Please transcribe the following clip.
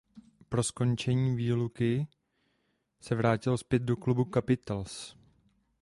Po skončení výluky se vrátil zpět do klubu Capitals.